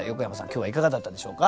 今日はいかがだったでしょうか？